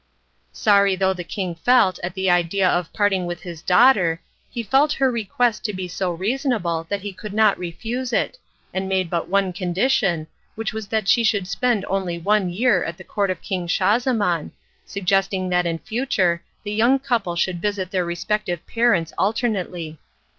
Sorry though the king felt at the idea of parting with his daughter, he felt her request to be so reasonable that he could not refuse it, and made but one condition, which was that she should only spend one year at the court of King Schahzaman, suggesting that in future the young couple should visit their respective parents alternately.